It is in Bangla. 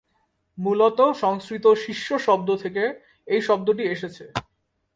মূলত সংস্কৃত "শিষ্য" শব্দ থেকে এই শব্দটি এসেছে।